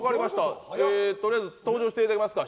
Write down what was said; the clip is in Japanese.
とりあえず登場していただきますか。